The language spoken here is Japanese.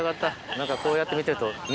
何かこうやって見てると。